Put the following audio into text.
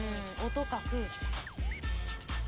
音か空気か。